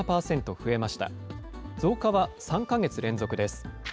増加は３か月連続です。